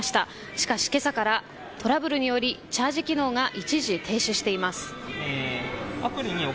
しかし、けさからトラブルによりチャージ機能が一時停止しています。